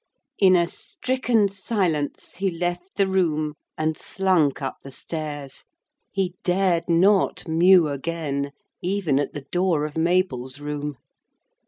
In a stricken silence he left the room and slunk up the stairs he dared not mew again, even at the door of Mabel's room.